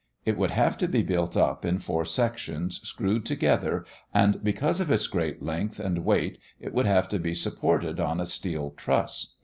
It would have to be built up in four sections screwed together and because of its great length and weight it would have to be supported on a steel truss.